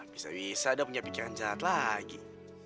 bisa bisa dia punya pikiran jahat lagi